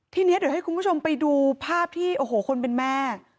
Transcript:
ทีนี้เดี๋ยวให้คุณผู้ชมไปดูภาพที่โอ้โหคนเป็นแม่